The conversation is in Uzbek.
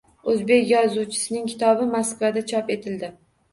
O‘zbek yozuvchisining kitobi Moskvada chop etildi